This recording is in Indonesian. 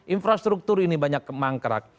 infrastruktur ini banyak kemangkrak